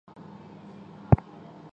接受噶玛巴却英多吉印信。